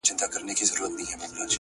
• خداى دي ساته له بــېـلــتــــونـــــه.